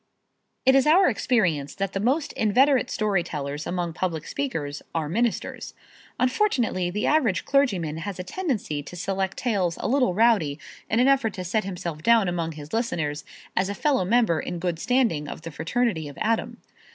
It is our experience that the most inveterate story tellers among public speakers are ministers. Unfortunately, the average clergyman has a tendency to select tales a little rowdy in an effort to set himself down among his listeners as a fellow member in good standing of the fraternity of Adam.